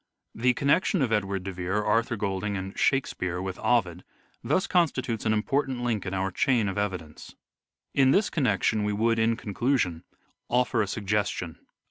The connection of Edward de Vere, Arthur Golding, and " Shake speare " with Ovid thus constitutes an important link in our chain of evidence. In this connection we would, in conclusion, offer a suggestion.